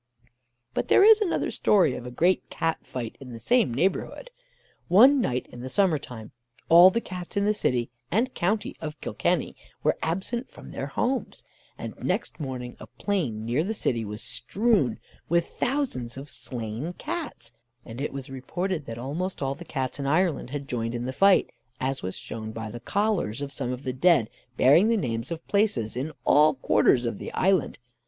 But there is another story of a great Cat fight in the same neighbourhood. One night in the summer time, all the Cats in the city and county of Kilkenny were absent from their homes, and next morning a plain near the city was strewn with thousands of slain Cats; and it was reported that almost all the Cats in Ireland had joined in the fight, as was shown by the collars of some of the dead bearing the names of places in all quarters of the island.